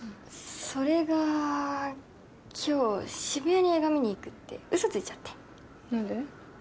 それが今日渋谷に映画見に行くって嘘ついちゃって何で？